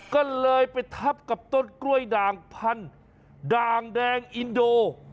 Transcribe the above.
ก็เลยไปทับกับต้นกล้วยด่างพันด่างแดงอินโด